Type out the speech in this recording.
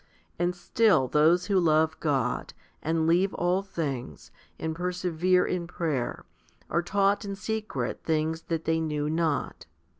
And still those who love God, and leave all things, and persevere in prayer, are taught in secret things that they knew not.